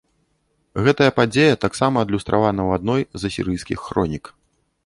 Гэтая падзея таксама адлюстравана ў адной з асірыйскіх хронік.